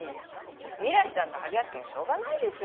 未来ちゃんと張り合ってもしょうがないでしょ。